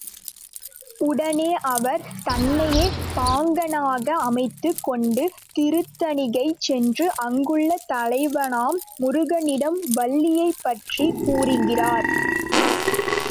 உடனே அவர் தன்னையே பாங்கனாக அமைத்துக் கொண்டு திருத்தணிகை சென்று அங்குள்ள தலைவனாம் முருகனிடம் வள்ளியைப் பற்றிக் கூறுகிறார்.